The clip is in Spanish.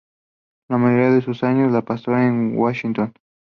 La mayoría de sus años los pasó en Washington.